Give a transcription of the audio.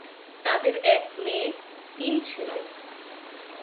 তাদের এক মেয়ে, তিন ছেলে।